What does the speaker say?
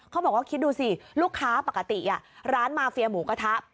เขาบอกว่าคิดดูสิลูกค้าปกติร้านมาเฟียหมูกระทะ